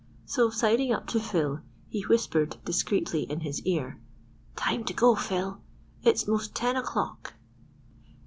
So siding up to Phil, he whispered discreetly in his ear,— "Time to go, Phil; it's 'most ten o'clock."